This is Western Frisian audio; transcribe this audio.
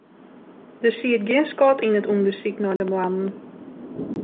Der siet gjin skot yn it ûndersyk nei de moarden.